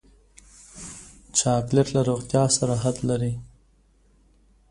چاکلېټ له روغتیا سره حد لري.